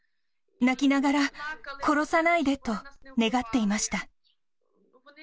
泣きながら殺さないでと願っていました。